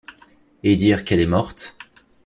Et dire qu’elle est morte!